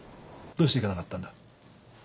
どうして行かなかったんだ？